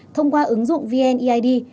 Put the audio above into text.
thông qua ứng dụng vneid